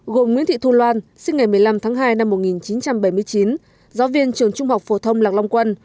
gồm nguyễn thị thu loan sinh ngày một mươi năm tháng hai năm một nghìn chín trăm bảy mươi chín giáo viên trường trung học phổ thông lạc long quân